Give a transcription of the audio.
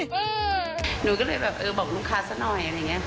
หนูก็เลยแบบแต่ลูกค้าซะหน่อย